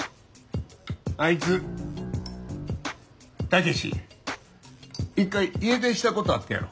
あいつ武志一回家出したことあったやろ。